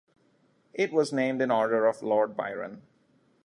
It was named in honor of Lord Byron.